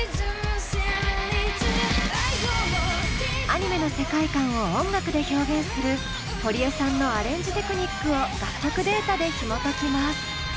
アニメの世界観を音楽で表現する堀江さんのアレンジテクニックを楽曲データでひもときます。